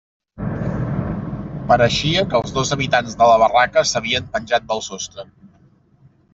Pareixia que els dos habitants de la barraca s'havien penjat del sostre.